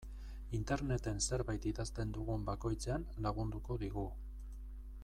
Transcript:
Interneten zerbait idazten dugun bakoitzean lagunduko digu.